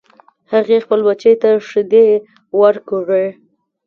هغې خپل بچی ته شیدې ورکړې